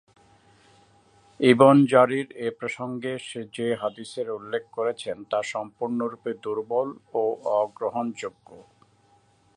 Ibn Jarir এ প্রসঙ্গে যে হাদীসের উল্লেখ করেছেন তা সম্পূর্ণরূপে দুর্বল ও অগ্রহণযোগ্য।